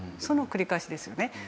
その繰り返しですよね。